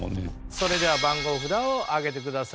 それでは番号札を上げてください。